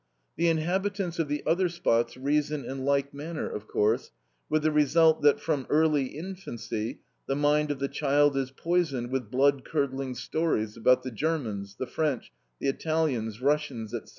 The inhabitants of the other spots reason in like manner, of course, with the result that, from early infancy, the mind of the child is poisoned with blood curdling stories about the Germans, the French, the Italians, Russians, etc.